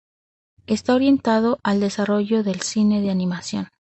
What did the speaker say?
Está orientado al desarrollo del cine de animación.